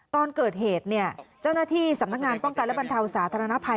ตอนเกิดเหตุเนี่ยเจ้าหน้าที่สำนักงานป้องกันและบรรเทาสาธารณภัย